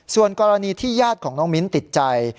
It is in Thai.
ส่วนกรณีที่ญาติของน้องมิ้นติดใจ